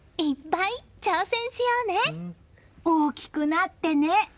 大きくなってね！